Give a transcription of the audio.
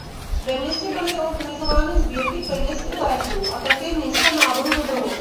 Ve městě byly organizovány sbírky peněz i léků a také místa náboru dobrovolníků.